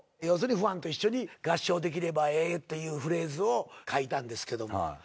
要するにファンと一緒に合唱できればええというフレーズを書いたんですけど。